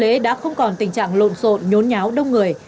lễ đã không còn tình trạng lộn xộn nhốn nháo đông người